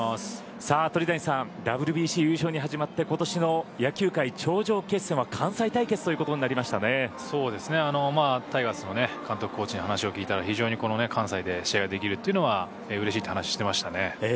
鳥谷さんＷＢＣ優勝に始まって今年の野球界、頂上決戦は関西対決タイガースの監督コーチに話を聞いたら関西で試合ができるというのはうれしいと話をしていましたね。